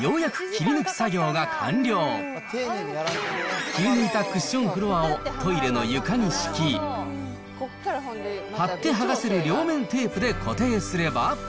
切り抜いたクッションフロアをトイレの床に敷き、貼って剥がせる両面テープで固定すれば。